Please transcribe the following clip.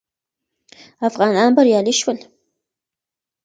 افغانان بریالي شول